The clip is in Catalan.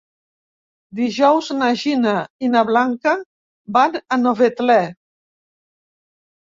Dijous na Gina i na Blanca van a Novetlè.